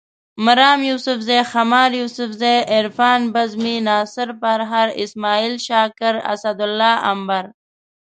مرام یوسفزے، خمار یوسفزے، عرفان بزمي، ناصر پرهر، اسماعیل شاکر، اسدالله امبر